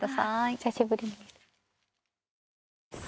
久しぶりに見る。